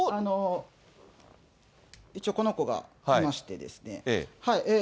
一応この子がいましてですね。